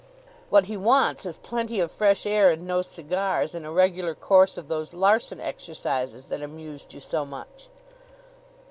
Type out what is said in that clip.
"What he wants is plenty of fresh air and no cigars, and a regular course of those Larsen Exercises that amused you so much."